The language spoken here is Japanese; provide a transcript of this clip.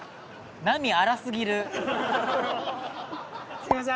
すいません。